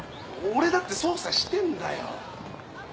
俺だって捜査してんだよ。